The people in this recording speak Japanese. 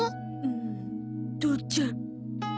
ん父ちゃん。